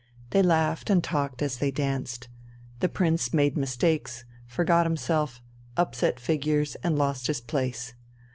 They laughed and talked as they danced. The Prince made mistakes, forgot himself, upset figures, and lost his place.